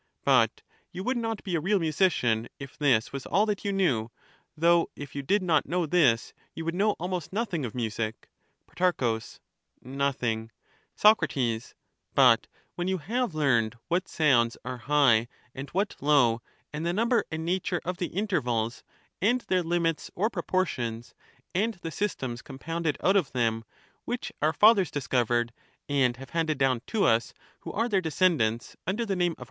But you would not be a real musician if this was all that you knew; though if you did not know this you would know almost nothing of music. Pro. Nothing. Soc, But when you have learned what sounds are high and what low, and the number and nature of the intervals Digitized by VjOOQIC and from Infinity to Unity. 583 and their limits or proportions, and the systems compounded PhiUbus. out of them, which our fathers discovered, and have handed Socratbs, down to us who are their descendants under the name of p^^^b^us!"'